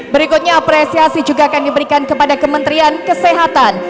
berikutnya apresiasi juga akan diberikan kepada kementerian kesehatan